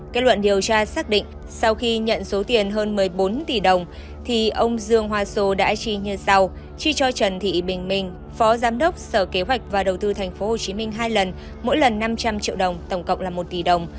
kết luận điều tra xác định sau khi nhận số tiền hơn một mươi bốn tỷ đồng thì ông dương hoa sô đã chi như sau chi cho trần thị bình minh phó giám đốc sở kế hoạch và đầu tư tp hcm hai lần mỗi lần năm trăm linh triệu đồng tổng cộng là một tỷ đồng